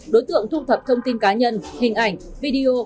đối tượng thu thập thông tin cá nhân hình ảnh video